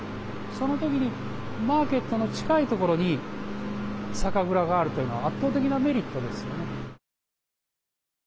その時にマーケットの近いところに酒蔵があるっていうのは圧倒的なメリットですよね。